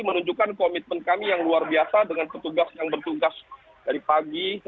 menunjukkan komitmen kami yang luar biasa dengan petugas yang bertugas dari pagi